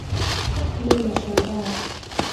mi nashangaa